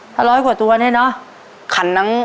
ถ้าร้อยกว่าตัวเนี่ยเนอะ